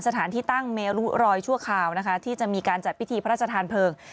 สถานที่ตั้งเมรุรอยชั่วคราวนะคะที่จะมีการจัดพิธีพระราชทานเพลิง